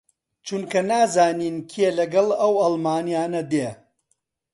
چونکە نازانین کێ لەگەڵ ئەو ئاڵمانییانە دێ